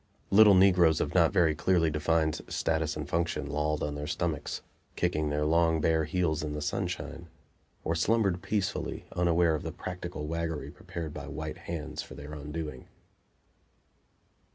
Little negroes of not very clearly defined status and function lolled on their stomachs, kicking their long, bare heels in the sunshine, or slumbered peacefully, unaware of the practical waggery prepared by white hands for their undoing.